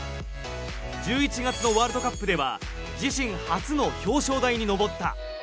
１１月のワールドカップでは自身初の表彰台に上った。